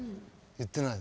言ってない？